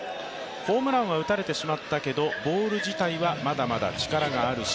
ホームランは打たれてしまったけれどもボール自体はまだまだ力があるし